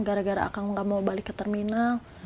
gara gara akang nggak mau balik ke terminal